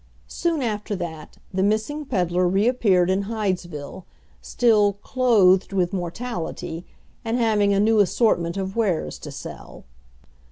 Soon after that, the missing peddler reappeared in Hydesville, still "clothed with mortality," and having a new assortment of wares to sell.